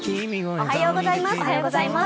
おはようございます！